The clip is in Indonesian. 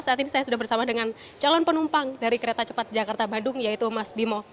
saat ini saya sudah bersama dengan calon penumpang dari kereta cepat jakarta bandung yaitu mas bimo